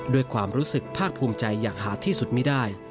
ด้วยความรู้สึกภาคภูมิใจอย่างหาที่สุดไม่ได้